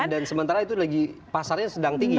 dan sementara itu lagi pasarnya sedang tinggi ya